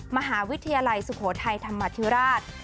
มหาวิทยาลัยสุโขทัยธรรมธิราช